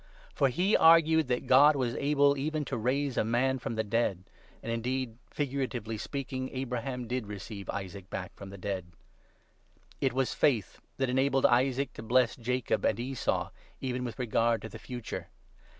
For he argued that God was able even to raise a man from 19 the dead — and indeed, figuratively speaking, Abraham did receive Isaac back from the dead. It was faith that 20 enabled Isaac to bless Jacob and Esau, even with regard to the future.